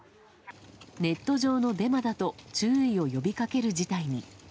ネット上のデマだと注意を呼び掛ける事態に。